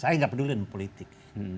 saya nggak peduli dengan politik